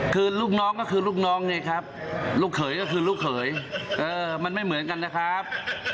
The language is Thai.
คือลูกน้องก็คือลูกน้องเนี่ยครับลูกเขยก็คือลูกเขยมันไม่เหมือนกันนะครับ